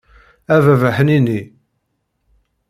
A baba ḥnini!